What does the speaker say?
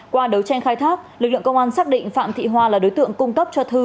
qua đấu tranh khai thác lực lượng công an xác định phạm thị hoa là đối tượng cung cấp cho thư